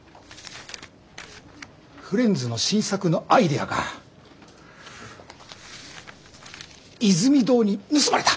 フレンズの新作のアイデアがイズミ堂に盗まれた。